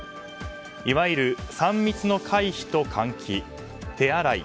いわゆる３密の回避と換気手洗い。